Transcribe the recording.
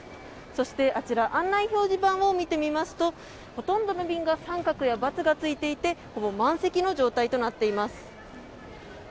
そして、あちら案内表示板を見てみますと、ほとんどの便が三角やバツがついていてほぼ満席の状態となっています。